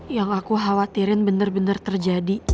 yang aku khawatirin bener bener terjadi